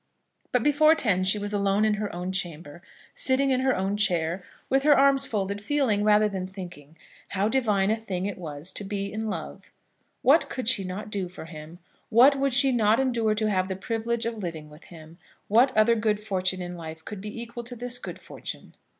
But before ten she was alone in her own chamber, sitting in her own chair, with her arms folded, feeling, rather than thinking, how divine a thing it was to be in love. What could she not do for him? What would she not endure to have the privilege of living with him? What other good fortune in life could be equal to this good fortune?